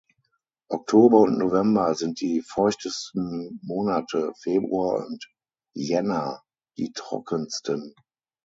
Oktober und November sind die feuchtesten Monate, Februar und Jänner die trockensten.